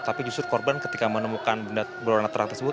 tapi justru korban ketika menemukan benda berwarna terang tersebut